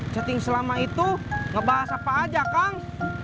setting selama itu ngebahas apa aja kang